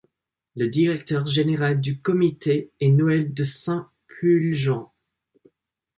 Le directeur général du comité est Noël de Saint-Pulgent.